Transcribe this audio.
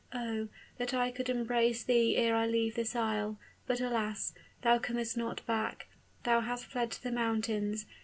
Oh, that I could embrace thee ere I leave this isle; but alas! thou comest not back thou hast fled to the mountains.